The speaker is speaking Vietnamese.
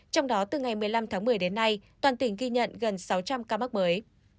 trong đó từ ngày một mươi năm tháng một mươi đến nay toàn tỉnh ghi nhận gần sáu trăm linh ca mắc mới